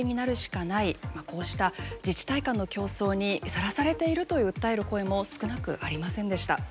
まあこうした自治体間の競争にさらされていると訴える声も少なくありませんでした。